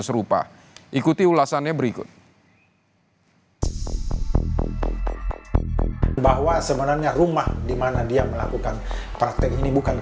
serupa ikuti ulasannya berikut bahwa sebenarnya rumah dimana dia melakukan praktek ini bukan